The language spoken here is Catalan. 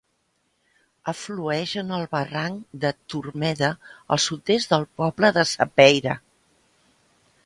Aflueix en el barranc de Turmeda al sud-oest del poble de Sapeira.